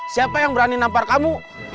siapa yang berani nampar kamu